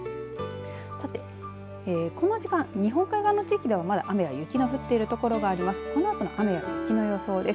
さて、この時間日本海側の地域ではまだ雨や雪が降っている所があります。